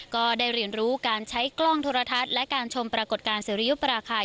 ก็ได้เรียนรู้การใช้กล้องโทรทัศน์และการชมปรากฏการณ์สิริยุปราคาย